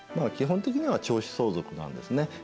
基本的には長子相続なんですね。